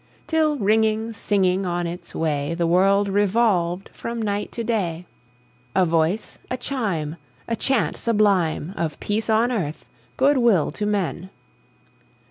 Till, ringing, singing on its way, The world revolved from night to day, A voice, a chime, A chant sublime Of peace on earth, good will to men!